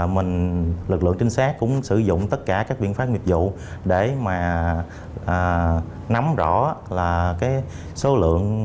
mình lực lượng trinh sát cũng sử dụng tất cả các biện pháp nghiệp vụ để mà nắm rõ là cái số lượng